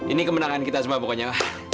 ini kemenangan kita semua pokoknya